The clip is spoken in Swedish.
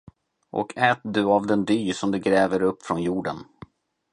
Och ät du av den dy, som du gräver upp från jorden.